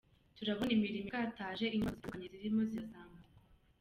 Turabona imirimo ikataje, inyubako zitandukanye zirimo zirazamurwa.